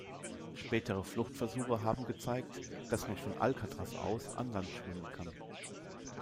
Spätere Fluchtversuche haben gezeigt, dass man von Alcatraz aus an Land schwimmen kann.